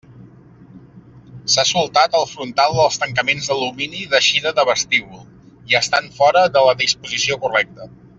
S'ha soltat el frontal dels tancaments d'alumini d'eixida de vestíbul, i estan fora de la disposició correcta.